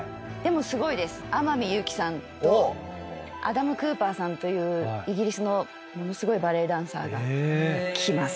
天海祐希さんとアダム・クーパーさんというイギリスのものすごいバレエダンサーが来ます。